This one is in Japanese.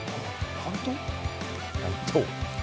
本当？